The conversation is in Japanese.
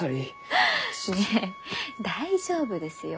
ねえ大丈夫ですよ。